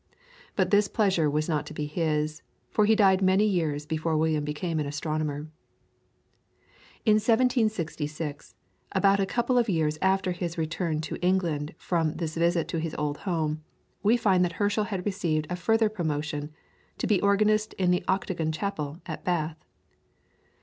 But this pleasure was not to be his, for he died many years before William became an astronomer. In 1766, about a couple of years after his return to England from This visit to his old home, we find that Herschel had received a further promotion to be organist in the Octagon Chapel, at Bath.